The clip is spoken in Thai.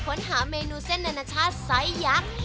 ค้นหาเมนูเส้นนานาชาติไซส์ยักษ์